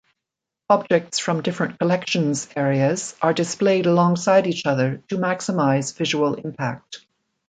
Objects from different collections areas are displayed alongside each other to maximize visual impact.